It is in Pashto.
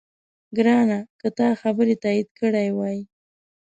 ګرانه! که تا خبرې تایید کړې وای،